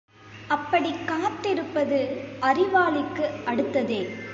அப்படிக் காத்திருப்பது அறிவாளிக்கு அடுத்ததே.